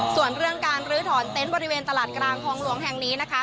ส่วนเรื่องการลื้อถอนเต็นต์บริเวณตลาดกลางคลองหลวงแห่งนี้นะคะ